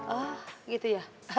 oh gitu ya